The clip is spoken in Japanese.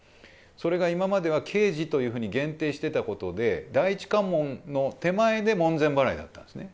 それが今までは刑事というふうに限定してたことで、第一関門の手前で門前払いだったんですね。